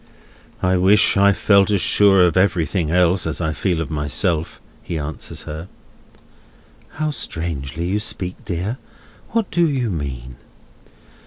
"I wish I felt as sure of everything else, as I feel of myself," he answers her. "How strangely you speak, dear! What do you mean?"